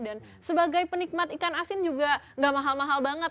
sebagai penikmat ikan asin juga gak mahal mahal banget